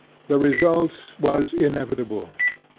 The result was inevitable.